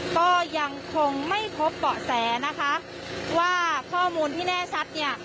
ก็ยังคงไม่พบเบาะแสนะคะว่าข้อมูลที่แน่ชัดเนี่ย